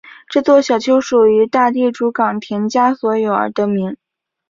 这座小丘属大地主冈田家所有而得名。